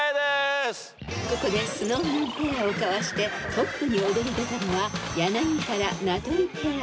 ［ここでＳｎｏｗＭａｎペアをかわしてトップに躍り出たのは柳原・名取ペア］